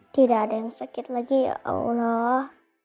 tidak ada yang sakit lagi ya allah